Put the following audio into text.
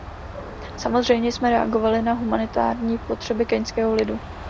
Samozřejmě jsme reagovali na humanitární potřeby keňského lidu.